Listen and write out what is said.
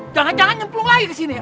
jangan jangan nyemplung lagi ke sini